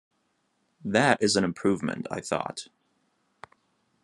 That is an improvement, I thought.